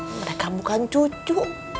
mereka bukan cucu